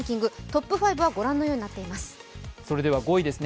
トップ５はご覧のようになっています。